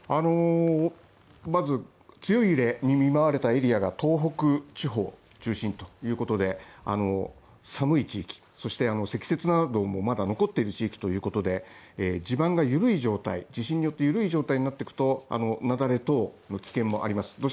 まず強い揺れに見舞われたエリアが東北地方中心ということで寒い地域、そして積雪などもまだ残っている地域ということで地震によって地盤が緩い状態になっていくとなだれ等の危険もあります。